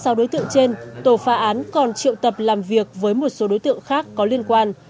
sau đối tượng trên tổ pha án còn triệu tập làm việc với một số đối tượng khác có liên quan